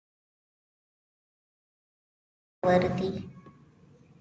زما د لاس خواړه خوندور دي